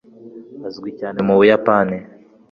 azwi cyane mu buyapani